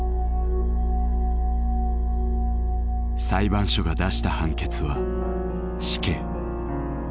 裁判所が出した判決は死刑。